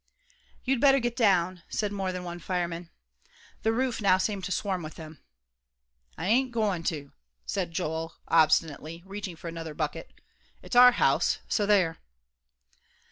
"You'd better get down," said more than one fireman. The roof now seemed to swarm with them. "I ain't goin' to," said Joel, obstinately, reaching out for another bucket; "it's our house, so there!"